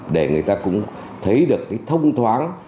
để người ta cũng thấy được thông thoáng